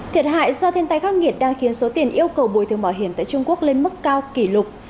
thiệt hại do thiên tai khắc nghiệt đang khiến số tiền yêu cầu bồi thường bảo hiểm tại trung quốc lên mức cao kỷ lục